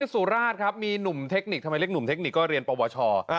สุราชครับมีหนุ่มเทคนิคทำไมเรียกหนุ่มเทคนิคก็เรียนปวช